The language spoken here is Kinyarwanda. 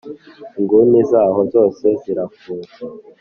inguni zaho zose zirafunze